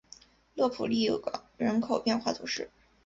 勒普利冈人口变化图示